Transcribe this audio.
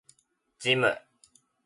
ジム